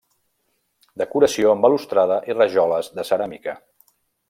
Decoració amb balustrada i rajoles de ceràmica.